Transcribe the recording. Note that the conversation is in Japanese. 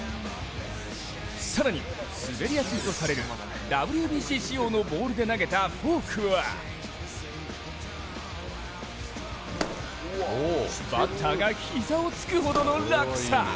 更に滑りやすいとされるＷＢＣ仕様のボールで投げたフォークはバッターが膝をつくほどの落差。